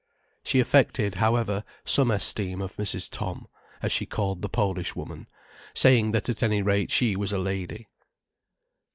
She affected, however, some esteem of Mrs. Tom, as she called the Polish woman, saying that at any rate she was a lady.